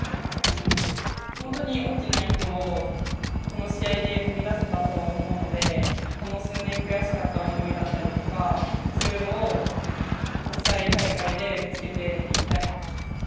本当に大きな一歩をこの試合で踏み出せたとは思うので、この数年、悔しかった思いだったりとか、そういうのを国際大会でぶつけていきたい。